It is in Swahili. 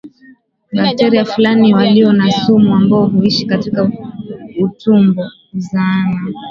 Bakteria fulani walio na sumu ambao huishi katika utumbo huzaana